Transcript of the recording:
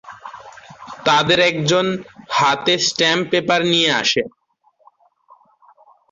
তাদের একজন হাতে স্ট্যাম্প পেপার নিয়ে আসে।